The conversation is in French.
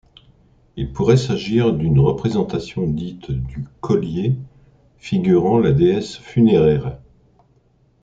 Il pourrait s'agir d'une représentation dite du collier figurant la déesse funéraire.